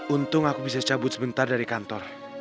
untung aku bisa cabut sebentar dari kantor